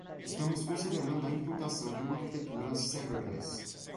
Estamos considerando a implementação de uma arquitetura serverless.